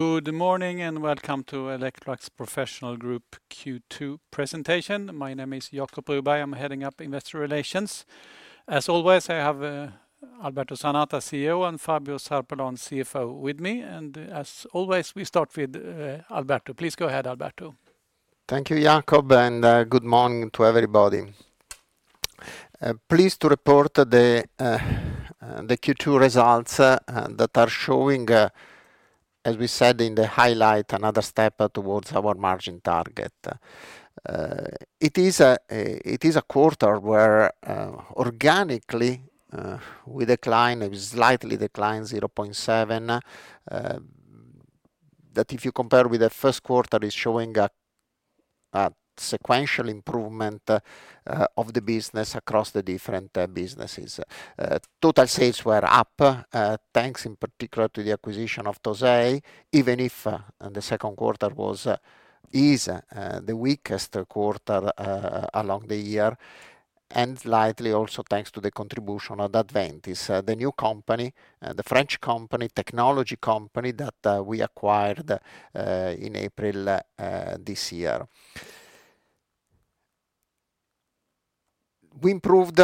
Good morning and welcome to Electrolux Professional Group Q2 presentation. My name is Jacob Broberg. I'm heading up Investor Relations. As always, I have Alberto Zanata, CEO, and Fabio Zarpellon, CFO, with me. As always, we start with Alberto. Please go ahead, Alberto. Thank you, Jacob, and good morning to everybody. Pleased to report the Q2 results that are showing, as we said in the highlight, another step towards our margin target. It is a quarter where organically we declined, slightly declined, 0.7, that if you compare with the first quarter, is showing a sequential improvement of the business across the different businesses. Total sales were up, thanks in particular to the acquisition of Tosei, even if the second quarter was the weakest quarter along the year, and slightly also thanks to the contribution of Adventys, the new company, the French technology company that we acquired in April this year. We improved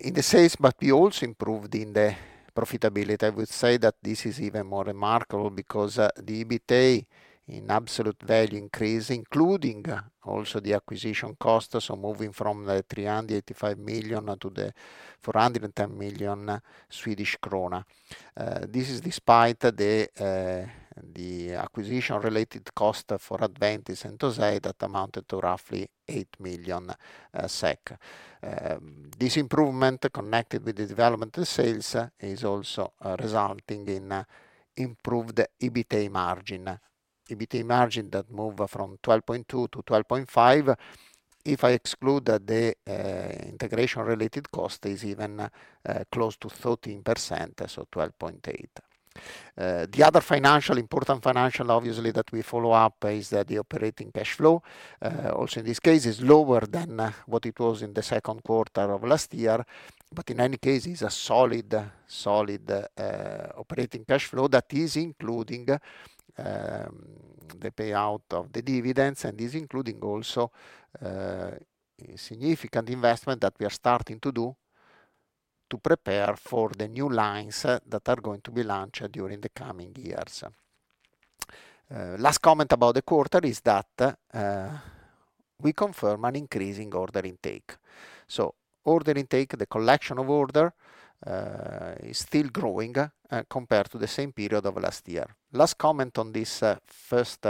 in the sales, but we also improved in the profitability. I would say that this is even more remarkable because the EBITDA in absolute value increase, including also the acquisition cost, so moving from 385 million-410 million Swedish krona. This is despite the acquisition-related cost for Adventys and Tosei that amounted to roughly 8 million SEK. This improvement connected with the development of sales is also resulting in improved EBITDA margin, EBITDA margin that moved from 12.2%-12.5%. If I exclude the integration-related cost, it's even close to 13%, so 12.8%. The other important financial, obviously, that we follow up is that the operating cash flow, also in this case, is lower than what it was in the second quarter of last year, but in any case, it's a solid operating cash flow that is including the payout of the dividends and is including also a significant investment that we are starting to do to prepare for the new lines that are going to be launched during the coming years. Last comment about the quarter is that we confirm an increase in order intake. So order intake, the collection of order, is still growing compared to the same period of last year. Last comment on this first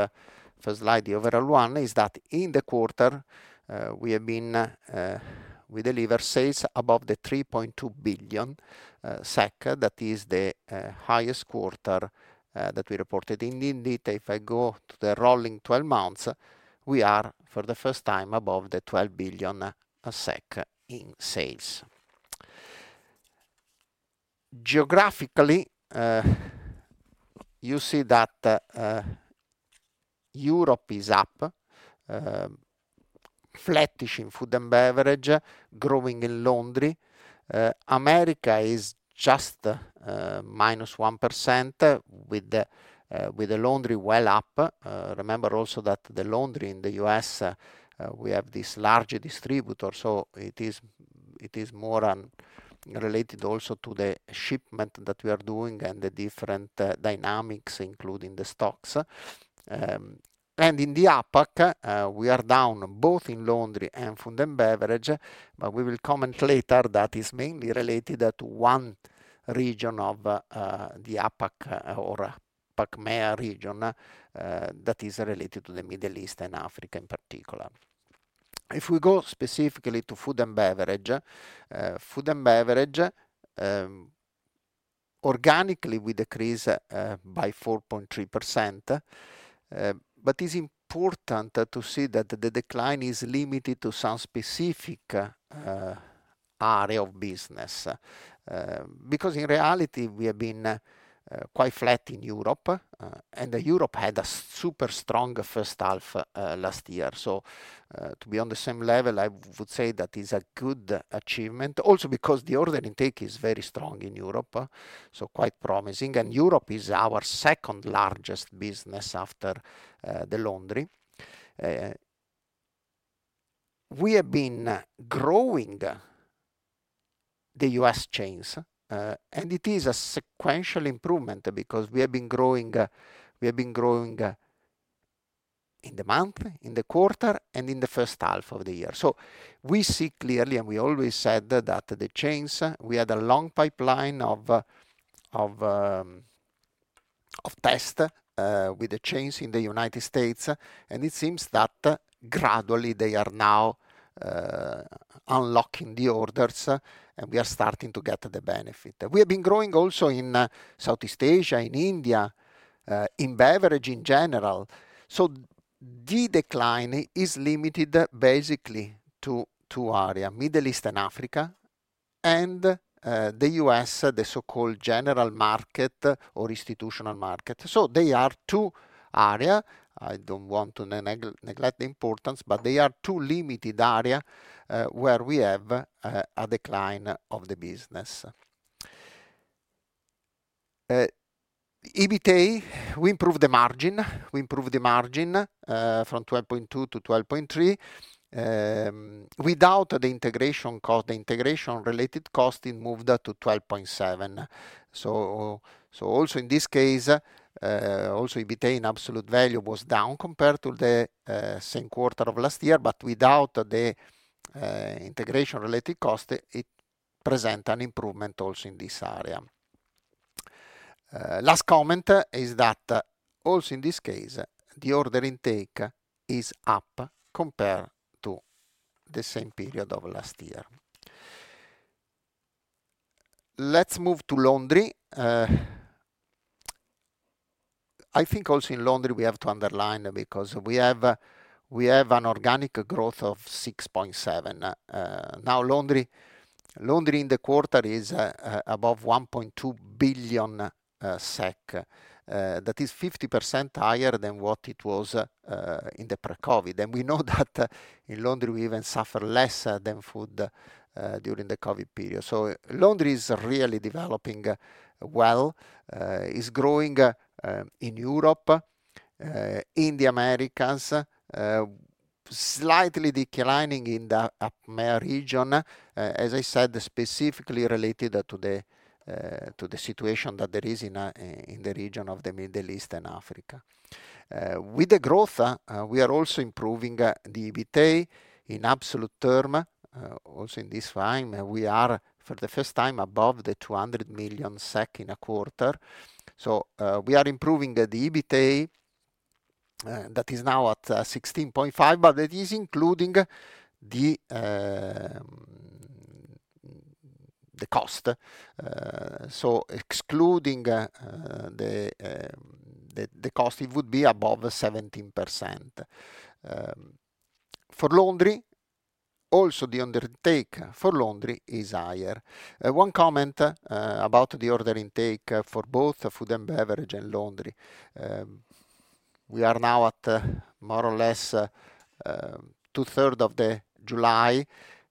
slide, the overall one, is that in the quarter, we deliver sales above 3.2 billion SEK. That is the highest quarter that we reported. Indeed, if I go to the rolling 12 months, we are for the first time above 12 billion SEK in sales. Geographically, you see that Europe is up, flattish in food and beverage, growing in laundry. America is just -1% with the laundry well up. Remember also that the laundry in the U.S., we have this large distributor, so it is more related also to the shipment that we are doing and the different dynamics, including the stocks. And in the APAC, we are down both in laundry and food and beverage, but we will comment later, that is mainly related to one region of the APAC or APAC MEA region that is related to the Middle East and Africa in particular. If we go specifically to food and beverage, food and beverage organically we decrease by 4.3%, but it's important to see that the decline is limited to some specific area of business because in reality we have been quite flat in Europe and Europe had a super strong first half last year. So to be on the same level, I would say that is a good achievement also because the order intake is very strong in Europe, so quite promising, and Europe is our second largest business after the laundry. We have been growing the U.S. chains, and it is a sequential improvement because we have been growing in the month, in the quarter, and in the first half of the year. So we see clearly, and we always said that the chains, we had a long pipeline of tests with the chains in the United States, and it seems that gradually they are now unlocking the orders and we are starting to get the benefit. We have been growing also in Southeast Asia, in India, in beverage in general. So the decline is limited basically to two areas, Middle East and Africa, and the U.S., the so-called general market or institutional market. So they are two areas. I don't want to neglect the importance, but they are two limited areas where we have a decline of the business. EBITDA, we improved the margin. We improved the margin from 12.2%-12.3%. Without the integration cost, the integration-related cost, it moved to 12.7%. So also in this case, also EBITDA in absolute value was down compared to the same quarter of last year, but without the integration-related cost, it presents an improvement also in this area. Last comment is that also in this case, the order intake is up compared to the same period of last year. Let's move to laundry. I think also in laundry we have to underline because we have an organic growth of 6.7%. Now laundry in the quarter is above 1.2 billion SEK. That is 50% higher than what it was in the pre-COVID. And we know that in laundry we even suffer less than food during the COVID period. So laundry is really developing well, is growing in Europe, in the Americas, slightly declining in the APAC MEA region, as I said, specifically related to the situation that there is in the region of the Middle East and Africa. With the growth, we are also improving the EBITDA in absolute terms. Also in this time, we are for the first time above 200 million SEK in a quarter. So we are improving the EBITDA that is now at 16.5%, but that is including the cost. So excluding the cost, it would be above 17%. For laundry, also the outlook for laundry is higher. One comment about the order intake for both food and beverage and laundry. We are now at more or less two-thirds of July,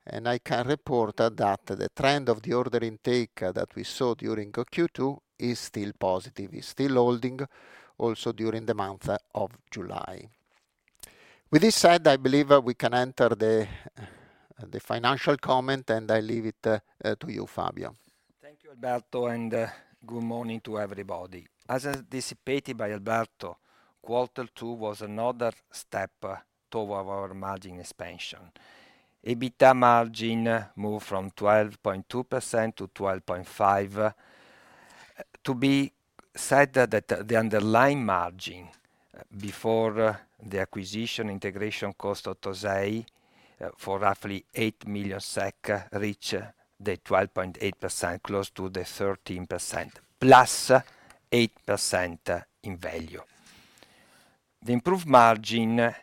and I can report that the trend of the order intake that we saw during Q2 is still positive. It's still holding also during the month of July. With this said, I believe we can enter the financial comment, and I leave it to you, Fabio. Thank you, Alberto, and good morning to everybody. As anticipated by Alberto, quarter two was another step toward our margin expansion. EBITDA margin moved from 12.2%-12.5%. It should be said that the underlying margin before the acquisition integration cost of Tosei for roughly 8 million SEK reached the 12.8%, close to the 13%, +8% in value. The improved margin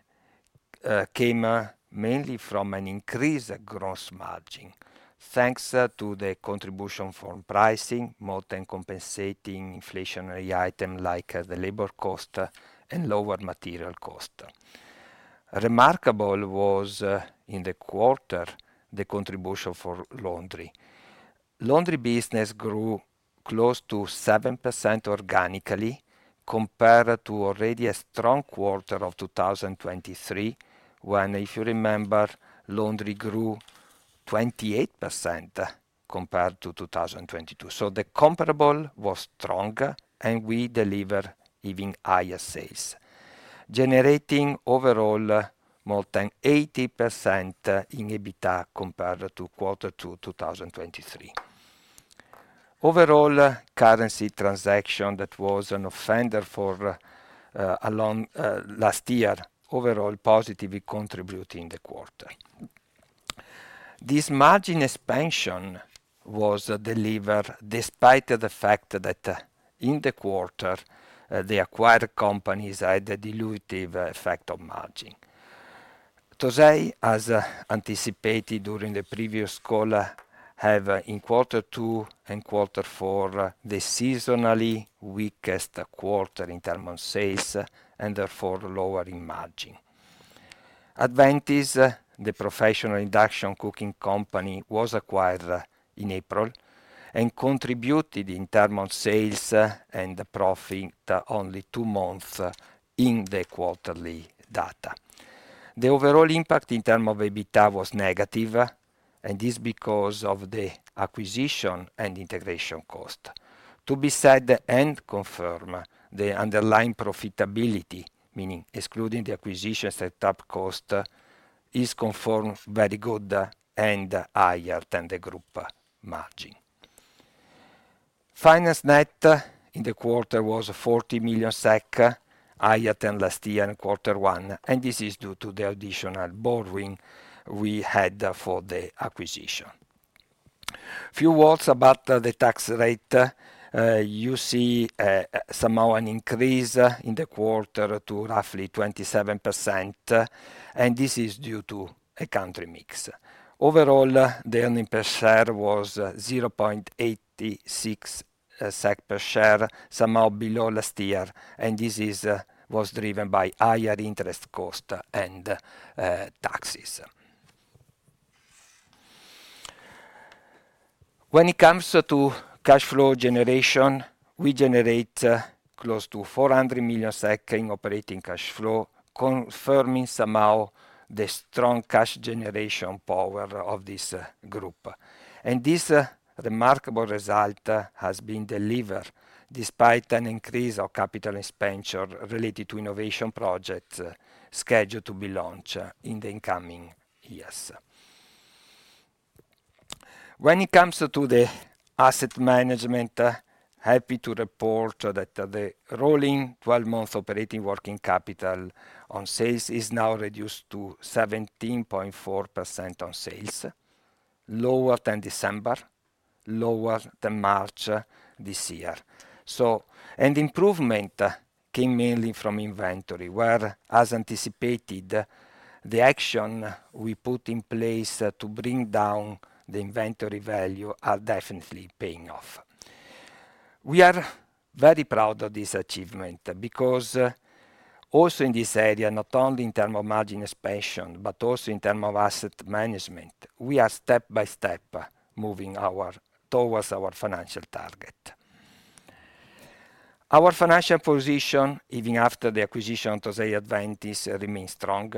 came mainly from an increased gross margin, thanks to the contribution from pricing, more than compensating inflationary items like the labor cost and lower material cost. Remarkable was in the quarter the contribution for laundry. Laundry business grew close to 7% organically compared to already a strong quarter of 2023, when if you remember, laundry grew 28% compared to 2022. So the comparable was stronger, and we deliver even higher sales, generating overall more than 80% in EBITDA compared to quarter two 2023. Overall currency transaction that was an offender for last year, overall positive contribution in the quarter. This margin expansion was delivered despite the fact that in the quarter, the acquired companies 0.86 per share, somehow below last year, and this was driven by higher interest cost and taxes. When it comes to cash flow generation, we generate close to 400 million SEK in operating cash flow, confirming somehow the strong cash generation power of this group. This remarkable result has been delivered despite an increase of capital expenditure related to innovation projects scheduled to be launched in the incoming years. When it comes to the asset management, happy to report that the rolling 12-month operating working capital on sales is now reduced to 17.4% on sales, lower than December, lower than March this year. Improvement came mainly from inventory, where, as anticipated, the action we put in place to bring down the inventory value are definitely paying off. We are very proud of this achievement because also in this area, not only in terms of margin expansion, but also in terms of asset management, we are step by step moving towards our financial target. Our financial position, even after the acquisition of Tosei and Adventys, remains strong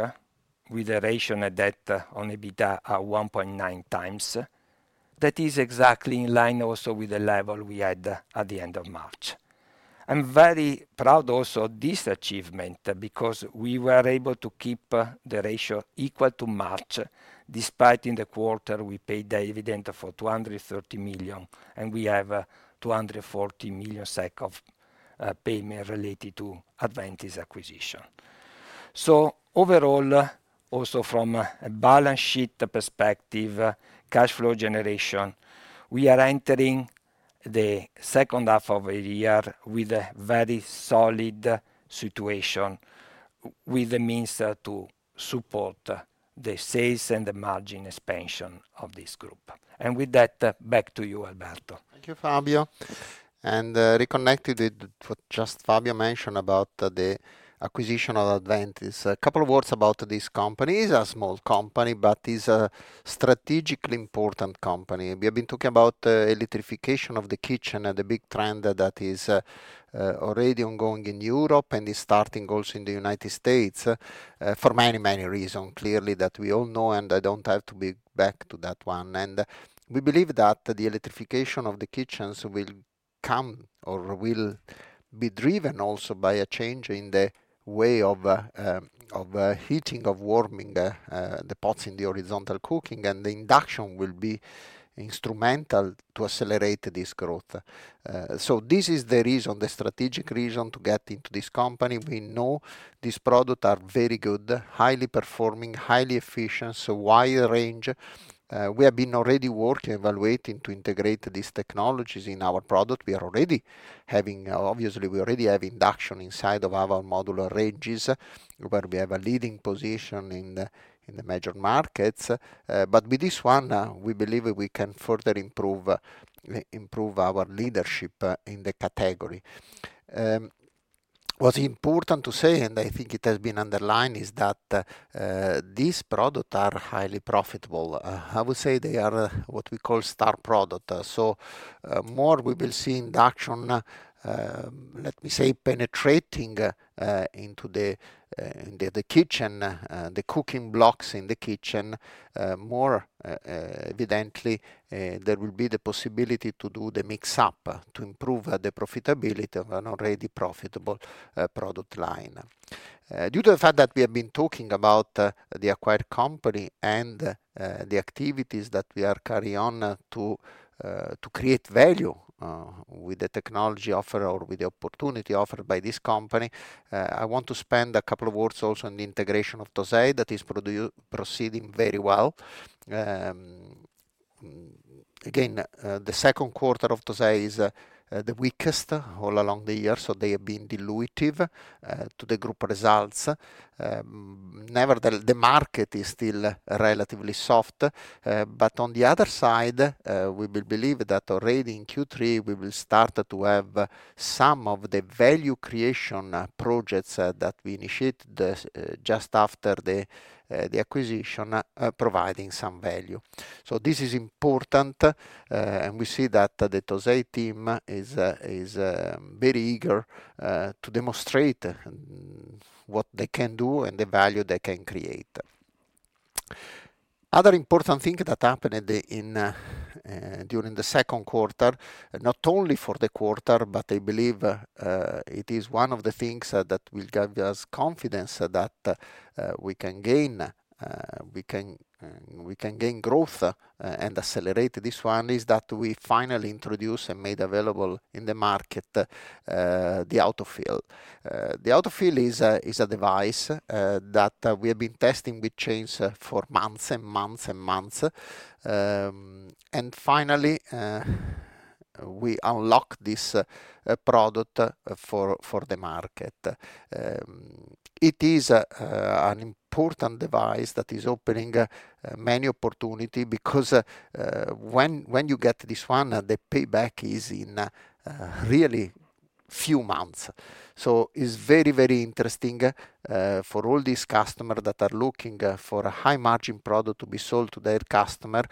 with a ratio net debt on EBITDA of 1.9 times. That is exactly in line also with the level we had at the end of March. I'm very proud also of this achievement because we were able to keep the ratio equal to March despite, in the quarter, we paid the dividend for 230 million, and we have 240 million of payment related to Adventys acquisition. So overall, also from a balance sheet perspective, cash flow generation, we are entering the second half of the year with a very solid situation with the means to support the sales and the margin expansion of this group. And with that, back to you, Alberto. Thank you, Fabio. And reconnected with what just Fabio mentioned about the acquisition of Adventys. A couple of words about this company. It is a small company, but it is a strategically important company. We have been talking about electrification of the kitchen and the big trend that is already ongoing in Europe and is starting also in the United States for many, many reasons, clearly that we all know, and I don't have to be back to that one. We believe that the electrification of the kitchens will come or will be driven also by a change in the way of heating, of warming the pots in the horizontal cooking, and the induction will be instrumental to accelerate this growth. This is the reason, the strategic reason to get into this company. We know these products are very good, highly performing, highly efficient, so wide range. We have been already working and evaluating to integrate these technologies in our product. We are already having, obviously, we already have induction inside of our modular ranges where we have a leading position in the major markets. But with this one, we believe we can further improve our leadership in the category. What's important to say, and I think it has been underlined, is that these products are highly profitable. I would say they are what we call star products. So more we will see induction, let me say, penetrating into the kitchen, the cooking blocks in the kitchen. More evidently, there will be the possibility to do the mix-up to improve the profitability of an already profitable product line. Due to the fact that we have been talking about the acquired company and the activities that we are carrying on to create value with the technology offered or with the opportunity offered by this company, I want to spend a couple of words also on the integration of Tosei that is proceeding very well. Again, the second quarter of Tosei is the weakest all along the year, so they have been dilutive to the group results. Nevertheless, the market is still relatively soft. But on the other side, we will believe that already in Q3, we will start to have some of the value creation projects that we initiated just after the acquisition providing some value. So this is important, and we see that the Tosei team is very eager to demonstrate what they can do and the value they can create. Other important thing that happened during the second quarter, not only for the quarter, but I believe it is one of the things that will give us confidence that we can gain growth and accelerate this one, is that we finally introduced and made available in the market the AutoFill. The AutoFill is a device that we have been testing with chains for months and months and months. And finally, we unlocked this product for the market. It is an important device that is opening many opportunities because when you get this one, the payback is in really few months. So it's very, very interesting for all these customers that are looking for a high-margin product to be sold to their customer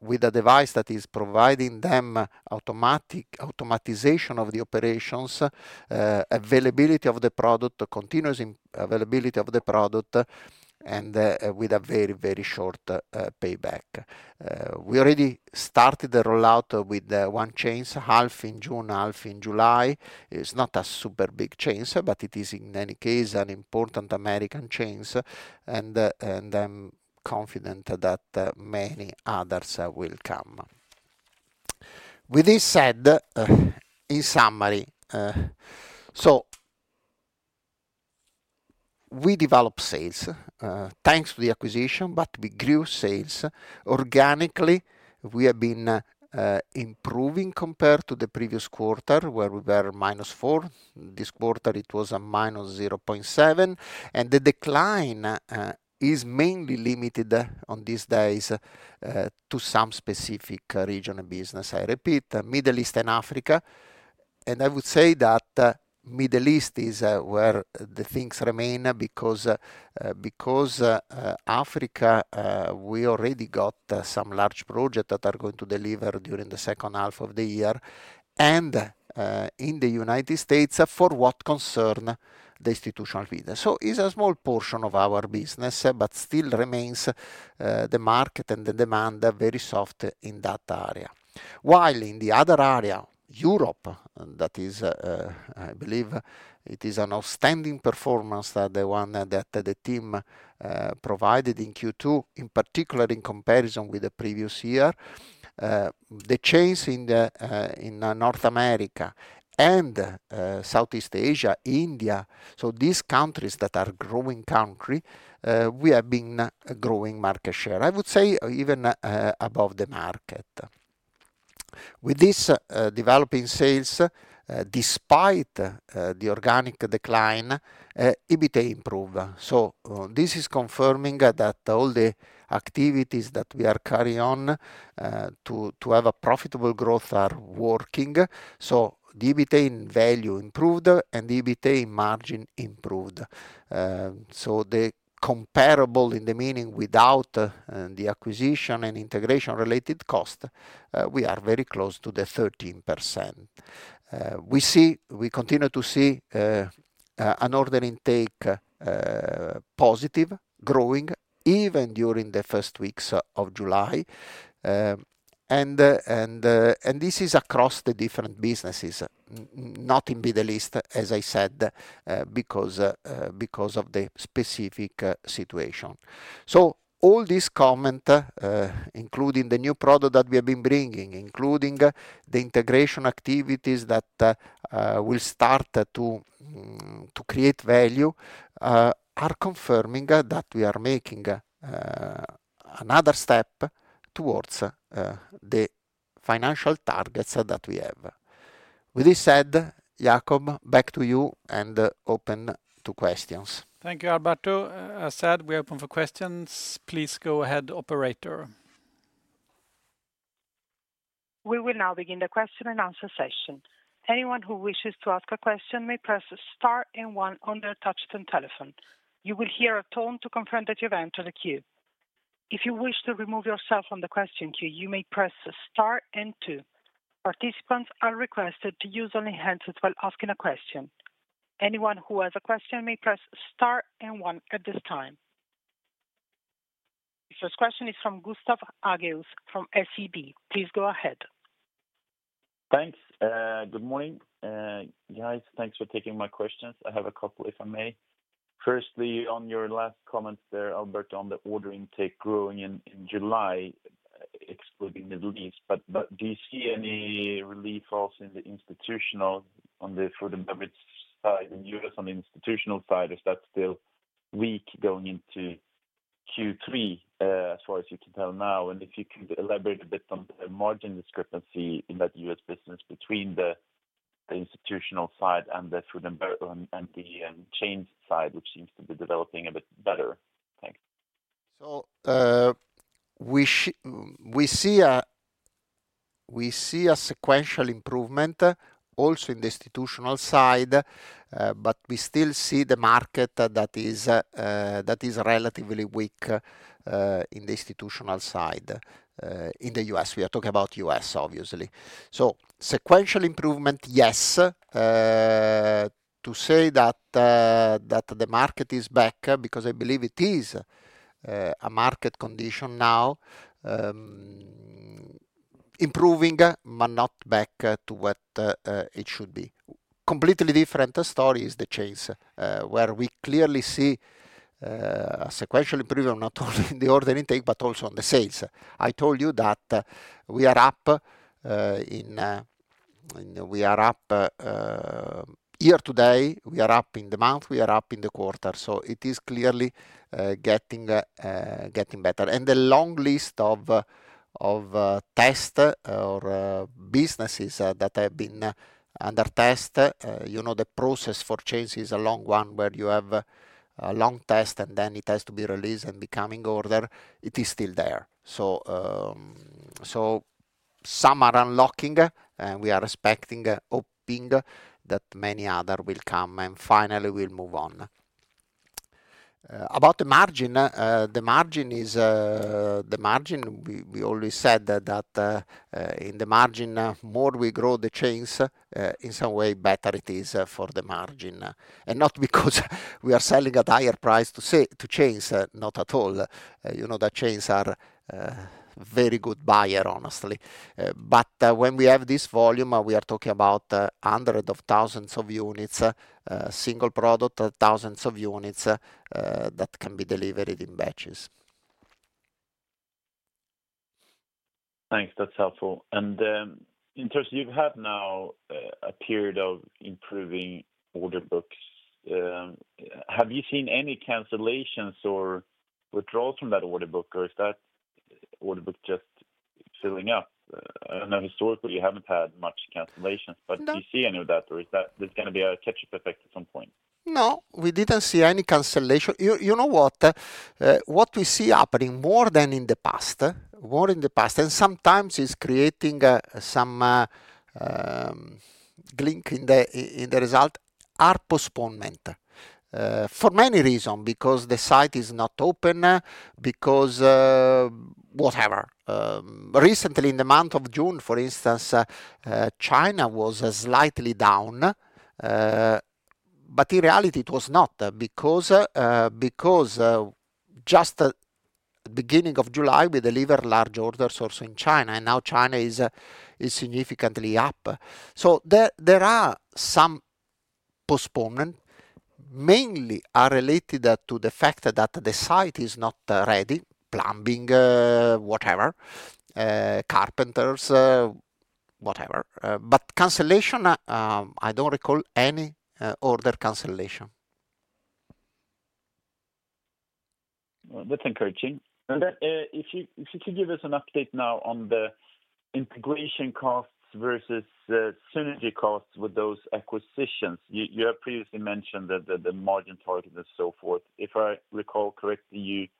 with a device that is providing them automatic automation of the operations, availability of the product, continuous availability of the product, and with a very, very short payback. We already started the rollout with one chain, half in June, half in July. It's not a super big chain, but it is in any case an important American chain, and I'm confident that many others will come. With this said, in summary, so we developed sales thanks to the acquisition, but we grew sales organically. We have been improving compared to the previous quarter where we were -4. This quarter, it was a -0.7, and the decline is mainly limited on these days to some specific region of business. I repeat, Middle East and Africa. And I would say that Middle East is where the things remain because Africa, we already got some large projects that are going to deliver during the second half of the year, and in the United States for what concerns the institutional business. So it's a small portion of our business, but still remains the market and the demand very soft in that area. While in the other area, Europe, that is, I believe it is an outstanding performance that the team provided in Q2, in particular in comparison with the previous year. The chains in North America and Southeast Asia, India, so these countries that are growing countries, we have been growing market share. I would say even above the market. With this developing sales, despite the organic decline, EBITDA improved. So this is confirming that all the activities that we are carrying on to have a profitable growth are working. So the EBITDA in value improved and the EBITDA in margin improved. So the comparable in the meaning without the acquisition and integration-related cost, we are very close to the 13%. We continue to see an order intake positive, growing even during the first weeks of July. This is across the different businesses, not in Middle East, as I said, because of the specific situation. All this comment, including the new product that we have been bringing, including the integration activities that will start to create value, are confirming that we are making another step towards the financial targets that we have. With this said, Jacob, back to you and open to questions. Thank you, Alberto. As said, we are open for questions. Please go ahead, operator. We will now begin the question and answer session. Anyone who wishes to ask a question may press star and one on their touch-tone telephone. You will hear a tone to confirm that you've entered a queue. If you wish to remove yourself from the question queue, you may press star and two. Participants are requested to use only the handset while asking a question. Anyone who has a question may press star and one at this time. The first question is from Gustav Hagéus from SEB. Please go ahead. Thanks. Good morning, guys. Thanks for taking my questions. I have a couple, if I may. Firstly, on your last comments there, Alberto, on the order intake growing in July, excluding Middle East, but do you see any relief also in the institutional on the food and beverage side in the U.S. on the institutional side? Is that still weak going into Q3 as far as you can tell now? And if you could elaborate a bit on the margin discrepancy in that U.S. business between the institutional side and the food and beverage and the chain side, which seems to be developing a bit better. Thanks. So we see a sequential improvement also in the institutional side, but we still see the market that is relatively weak in the institutional side in the U.S. We are talking about U.S., obviously. So sequential improvement, yes. To say that the market is back, because I believe it is a market condition now, improving, but not back to what it should be. Completely different story is the chains where we clearly see a sequential improvement, not only in the order intake, but also on the sales. I told you that we are up year-to-date, we are up in the month, we are up in the quarter. So it is clearly getting better. The long list of tests or businesses that have been under test. You know, the process for chains is a long one where you have a long test and then it has to be released and becoming order. It is still there. So some are unlocking and we are expecting, hoping that many others will come and finally we'll move on. About the margin, the margin, we always said that in the margin, more we grow the chains, in some way better it is for the margin. And not because we are selling at a higher price to chains, not at all. You know that chains are a very good buyer, honestly. But when we have this volume, we are talking about hundreds of thousands of units, single product, thousands of units that can be delivered in batches. Thanks. That's helpful. In terms of you've had now a period of improving order books, have you seen any cancellations or withdrawals from that order book or is that order book just filling up? I know historically you haven't had much cancellations, but do you see any of that or is that going to be a catch-up effect at some point? No, we didn't see any cancellation. You know what? What we see happening more than in the past, more in the past, and sometimes it's creating some kink in the result are postponements. For many reasons, because the site is not open, because whatever. Recently, in the month of June, for instance, China was slightly down, but in reality, it was not because just at the beginning of July, we delivered large orders also in China and now China is significantly up. So there are some postponements, mainly related to the fact that the site is not ready, plumbing, whatever, carpenters, whatever. But cancellation, I don't recall any order cancellation. That's encouraging. If you could give us an update now on the integration costs versus synergy costs with those acquisitions? You have previously mentioned that the margin target and so forth. If I recall correctly,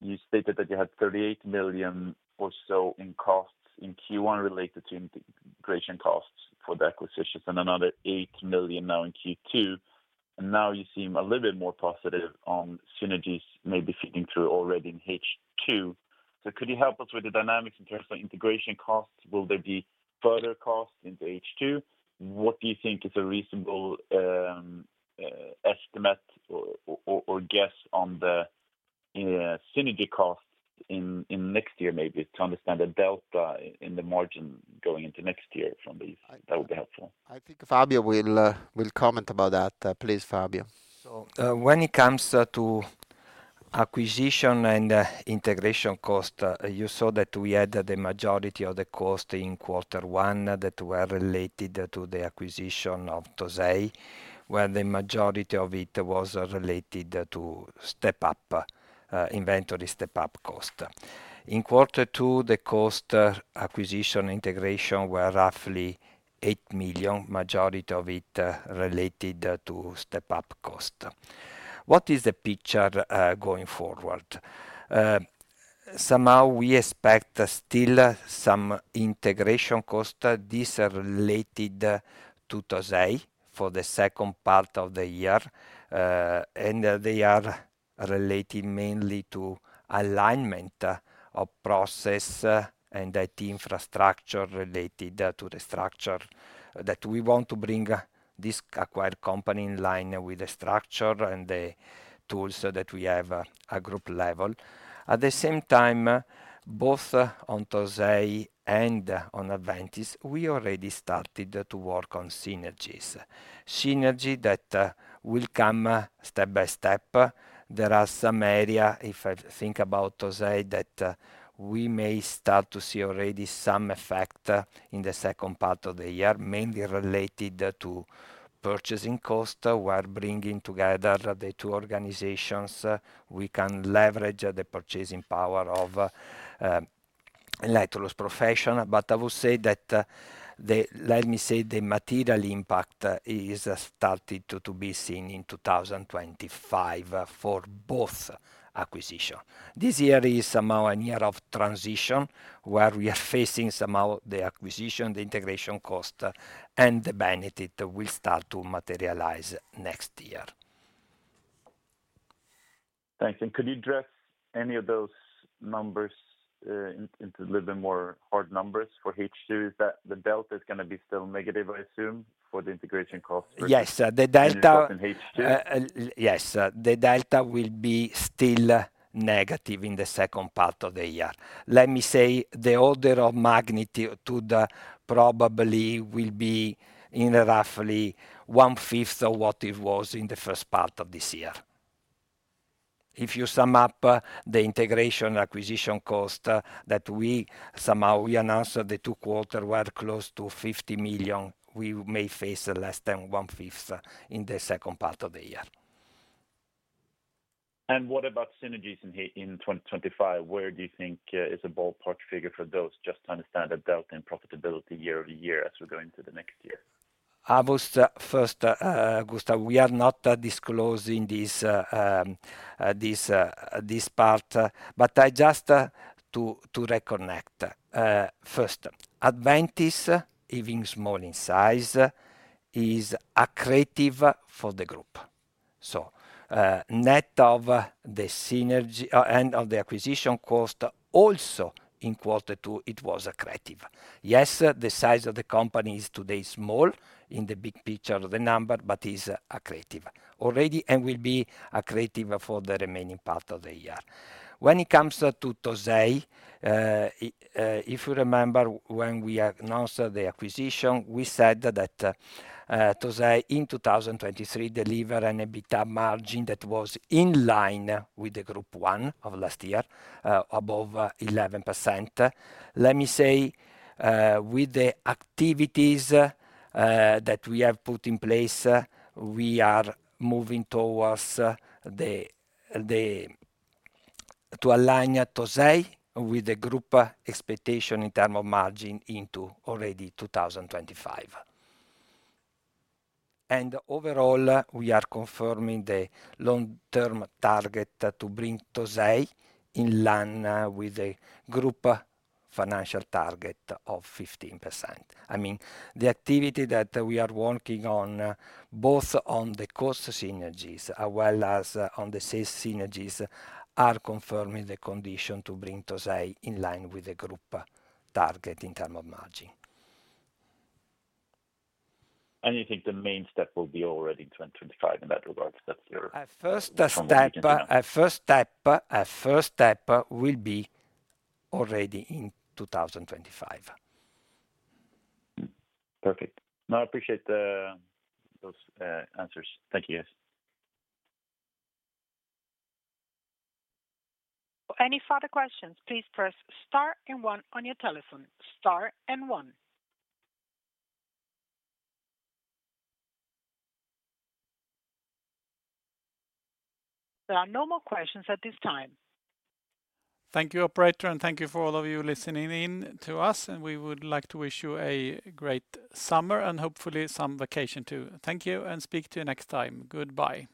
you stated that you had 38 million or so in costs in Q1 related to integration costs for the acquisitions and another 8 million now in Q2. And now you seem a little bit more positive on synergies maybe feeding through already in H2. So could you help us with the dynamics in terms of integration costs? Will there be further costs into H2? What do you think is a reasonable estimate or guess on the synergy costs in next year maybe to understand the delta in the margin going into next year from these? That would be helpful. I think Fabio will comment about that. Please, Fabio. When it comes to acquisition and integration cost, you saw that we had the majority of the cost in quarter one that were related to the acquisition of Tosei, where the majority of it was related to step-up inventory step-up cost. In quarter two, the cost acquisition integration were roughly 8 million, majority of it related to step-up cost. What is the picture going forward? Somehow we expect still some integration cost. These are related to Tosei for the second part of the year, and they are related mainly to alignment of process and IT infrastructure related to the structure that we want to bring this acquired company in line with the structure and the tools that we have at group level. At the same time, both on Tosei and on Adventys, we already started to work on synergies. Synergy that will come step by step. There are some areas, if I think about Tosei, that we may start to see already some effect in the second part of the year, mainly related to purchasing costs while bringing together the two organizations. We can leverage the purchasing power of Electrolux Professional, but I would say that the material impact is starting to be seen in 2025 for both acquisitions. This year is somehow a year of transition where we are facing somehow the acquisition, the integration cost, and the benefit will start to materialize next year. Thanks. Could you address any of those numbers into a little bit more hard numbers for H2? Is that the delta is going to be still negative, I assume, for the integration cost? Yes. The delta will be still negative in the second part of the year. Let me say the order of magnitude probably will be in roughly one fifth of what it was in the first part of this year. If you sum up the integration acquisition cost that we somehow announced the two quarters were close to 50 million, we may face less than one fifth in the second part of the year. What about synergies in 2025? Where do you think is a ballpark figure for those just to understand the delta in profitability year-over-year as we go into the next year? I will first, Gustav, we are not disclosing this part, but I just to reconnect first. Adventys, even small in size, is accretive for the group. So net of the synergy and of the acquisition cost, also in quarter two, it was accretive. Yes, the size of the company is today small in the big picture of the number, but is accretive already and will be accretive for the remaining part of the year. When it comes to Tosei, if you remember when we announced the acquisition, we said that Tosei in 2023 delivered an EBITDA margin that was in line with the group one of last year, above 11%. Let me say with the activities that we have put in place, we are moving towards the to align Tosei with the group expectation in terms of margin into already 2025. Overall, we are confirming the long-term target to bring Tosei in line with the group financial target of 15%. I mean, the activity that we are working on, both on the cost synergies as well as on the sales synergies, are confirming the condition to bring Tosei in line with the group target in terms of margin. You think the main step will be already in 2025 in that regard? First step will be already in 2025. Perfect. No, I appreciate those answers. Thank you. Any further questions? Please press star and one on your telephone. star and one. There are no more questions at this time. Thank you, operator, and thank you for all of you listening in to us. We would like to wish you a great summer and hopefully some vacation too. Thank you and speak to you next time. Goodbye.